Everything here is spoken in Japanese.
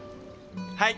はい。